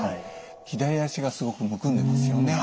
左足がすごくむくんでますよね。